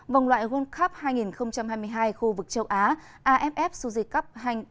vòng loại world cup hai nghìn hai mươi hai khu vực châu á aff suzy cup hai nghìn hai mươi